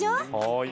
はい。